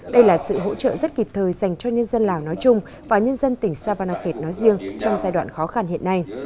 đây là sự hỗ trợ rất kịp thời dành cho nhân dân lào nói chung và nhân dân tỉnh savanakhet nói riêng trong giai đoạn khó khăn hiện nay